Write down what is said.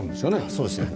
そうですね。